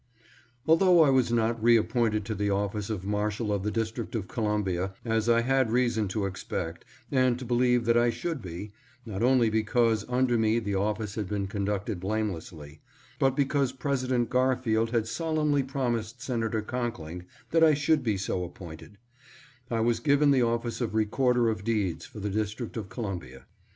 ALTHOUGH I was not reappointed to the office of Marshal of the District of Columbia as I had rea son to expect and to believe that I should be, not only be cause under me the office had been conducted blame lessly, but because President Garfield had solemnly prom ised Senator Conkling that I should be so appointed, I was given the office of Recorder of Deeds for the District of Columbia.